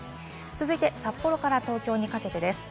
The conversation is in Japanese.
札幌から東京にかけてです。